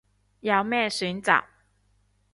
有咩選擇